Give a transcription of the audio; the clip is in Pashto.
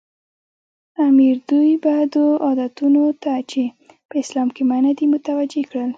امیر دوی بدو عادتونو ته چې په اسلام کې منع دي متوجه کړل.